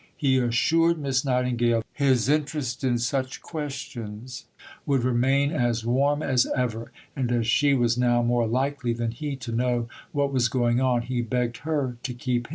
He assured Miss Nightingale that his interest in such questions would remain as warm as ever, and as she was now more likely than he to know what was going on, he begged her to keep him informed.